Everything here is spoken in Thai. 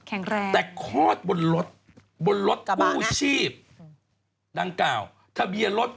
แข็งแรงแต่คอดบนรถกู้ชีพดังเก่าทะเบียรถ๘๖๓๕